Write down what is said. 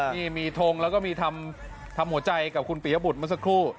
นี่มีทงแล้วก็มีทำหัวใจกับคุณปียบุตรเมื่อสักครู่